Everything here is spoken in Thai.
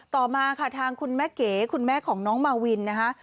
ต่อมาค่ะทางคุณแม่เก๋คุณแม่ของน้องมาวินนะคะ